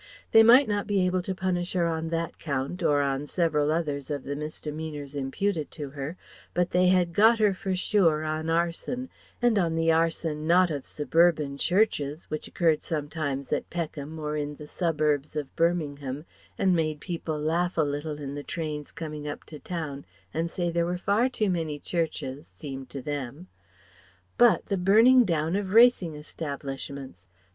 They might not be able to punish her on that count or on several others of the misdemeanours imputed to her; but they had got her, for sure, on Arson; and on the arson not of suburban churches, which occurred sometimes at Peckham or in the suburbs of Birmingham and made people laugh a little in the trains coming up to town and say there were far too many churches, seemed to them; but the burning down of racing establishments.